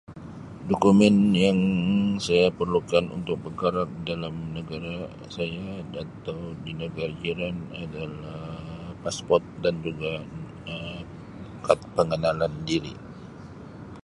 dokumen yang saya perlukan untuk bergerak dalam negara saya atau di negara jiran adalah pasport dan juga kad pengenalan diri.